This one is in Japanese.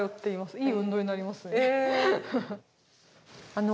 いい運動になりますね。